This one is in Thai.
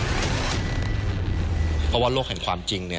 เพราะว่าโลกแห่งความจริง